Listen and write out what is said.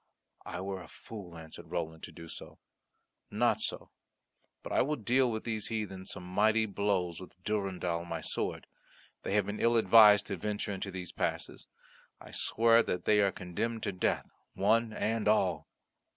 "I were a fool," answered Roland, "so to do. Not so; but I will deal these heathen some mighty blows with Durendal my sword. They have been ill advised to venture into these passes. I swear that they are condemned to death, one and all."